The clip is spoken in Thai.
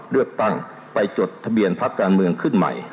เลือกตั้งไปจดทะเบียนพักการเมืองขึ้นใหม่